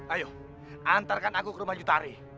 ayo antarkan aku ke rumah jutari